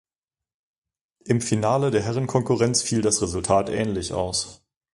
Im Finale der Herrenkonkurrenz fiel das Resultat ähnlich aus.